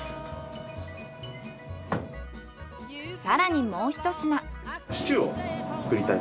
さらにもうひと品。